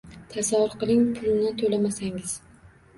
Tasavvur qiling: pulini to‘lamasangiz